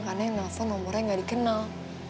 karena yang nelpon nomornya gak dikenal